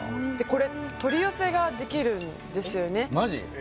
これ取り寄せができるんですよねマジ？